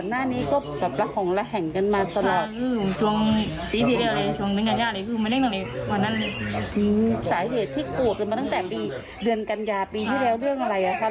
ไม่มองตัวเข้าไปทั้งนั้นเลยค่ะ